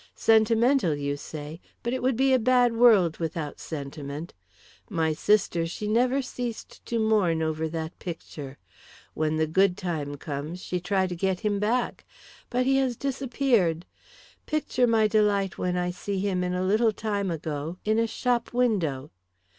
Sentimental, you say, but it would be a bad world without sentiment. My sister, she never ceased to mourn over that picture. When the good time comes she try to get him back. But he has disappeared. Picture my delight when I see him in a little time ago in a shop window.